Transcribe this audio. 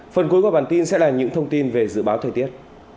phần cuối của bản tin sẽ là những thông tin về dự báo thời tiết